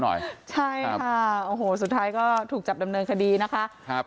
หน่อยใช่ค่ะโอ้โหสุดท้ายก็ถูกจับดำเนินคดีนะคะครับ